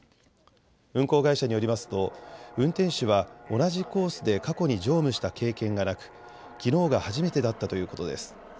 運行会社によりますと運転手は同じコースで過去に乗務した経験がなく、きのうが初めてだったということです。